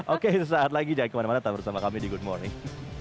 oke sesaat lagi jangan kemana mana tetap bersama kami di good morning